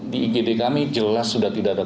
di igd kami jelas sudah tidak ada